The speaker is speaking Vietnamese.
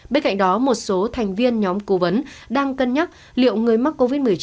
bên cạnh đó một số thành viên nhóm cố vấn đang cân nhắc liệu người mắc covid một mươi chín